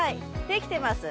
できてます。